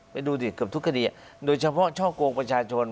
ดูสิเกือบทุกคดีโดยเฉพาะช่อกงประชาชน